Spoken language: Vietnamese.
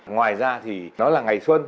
ngoài ra thì nó là ngày xuân